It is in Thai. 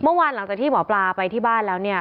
เมื่อวานหลังจากที่หมอปลาไปที่บ้านแล้วเนี่ย